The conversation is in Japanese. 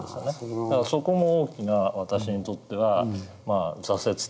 だからそこも大きな私にとってはまあ挫折体験で。